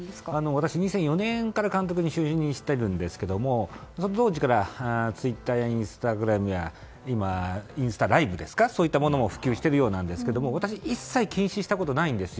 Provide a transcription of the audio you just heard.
私、２００４年から監督に就任しているんですがその当時からツイッターやインスタグラムや今、インスタライブなどそういったものも普及しているようですが私一切禁止したことないんですよ。